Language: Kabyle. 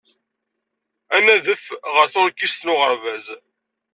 Ad nadef ɣer tuṛkist n uɣerbaz.